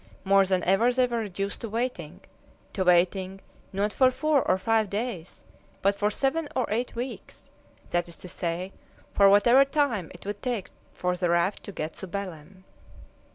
More than ever they were reduced to waiting to waiting not for four or five days, but for seven or eight weeks that is to say, for whatever time it would take for the raft to get to Belem.